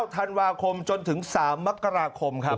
ธันวาคมจนถึง๓มกราคมครับ